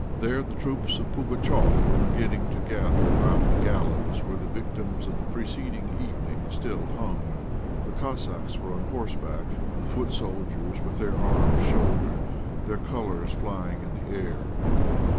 There the troops of Pugatchéf were beginning to gather round the gallows where the victims of the preceding evening still hung. The Cossacks were on horseback, the foot soldiers with their arms shouldered, their colours flying in the air.